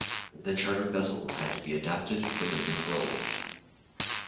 The chartered vessels had to be adapted for their new role.